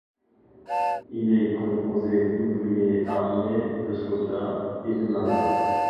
Il est composé d’ouvriers armés, de soldats et de marins.